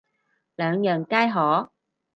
兩樣皆可